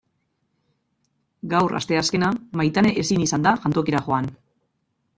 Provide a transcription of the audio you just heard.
Gaur, asteazkena, Maitane ezin izan da jantokira joan.